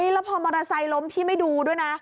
แล้วพอมอเตอร์ไซค์ล้มพี่ไม่ดูด้วยนะ